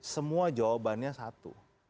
semua jawabannya satu